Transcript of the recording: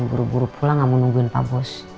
buru buru pulang gak mau nungguin pak bos